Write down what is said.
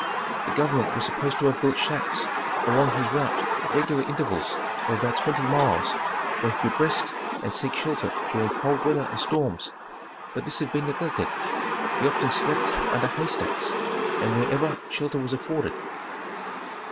The government was supposed to have built shacks along his route at regular intervals of about twenty miles, where he could rest and seek shelter during cold weather and storms, but this had been neglected. He often slept under hay stacks, and wherever shelter was afforded.